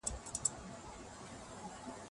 هغه به تر نیمو شپو پورې مطالعې ته ناست و.